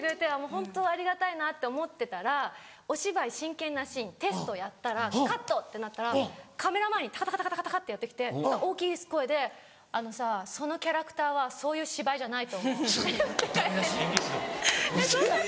ホントありがたいなって思ってたらお芝居真剣なシーンテストやったらカット！ってなったらカメラ前にタカタカってやって来て大きい声で「あのさそのキャラクターはそういう芝居じゃないと思う」って言って帰ってったんです。